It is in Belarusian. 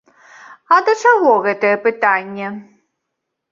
А да чаго гэтае пытанне?